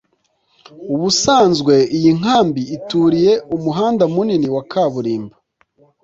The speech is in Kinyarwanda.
Ubusanzwe iyi nkambi I turiye umuhanda munini wa kaburimbo